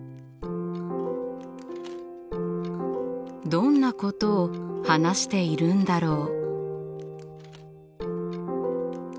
どんなことを話しているんだろう？